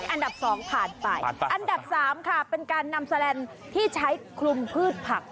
อันดับ๒ผ่านไปอันดับ๓ค่ะเป็นการนำแสลนด์ที่ใช้คลุมพืชผัก